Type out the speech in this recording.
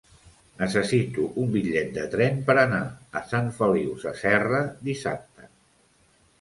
Necessito un bitllet de tren per anar a Sant Feliu Sasserra dissabte.